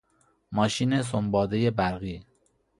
ماشین سنباده برقی